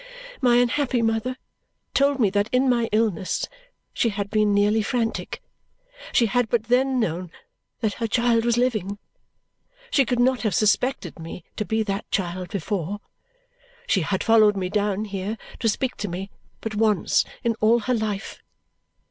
My unhappy mother told me that in my illness she had been nearly frantic. She had but then known that her child was living. She could not have suspected me to be that child before. She had followed me down here to speak to me but once in all her life.